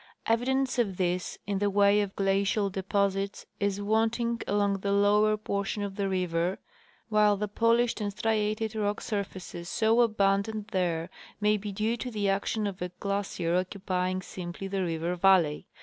Evidence of this in the way of glacial deposits is wanting along the lower portion of the river, while the polished and striated rock surfaces so abundant there may be due to the action of a glacier occupying simply the river valley.